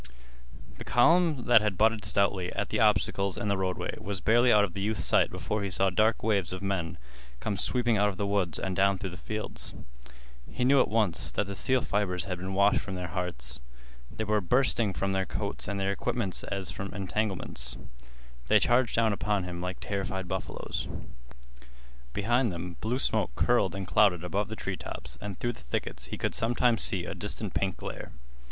The column that had butted stoutly at the obstacles in the roadway was barely out of the youth's sight before he saw dark waves of men come sweeping out of the woods and down through the fields. He knew at once that the steel fibers had been washed from their hearts. They were bursting from their coats and their equipments as from entanglements. They charged down upon him like terrified buffaloes. Behind them blue smoke curled and clouded above the treetops, and through the thickets he could sometimes see a distant pink glare.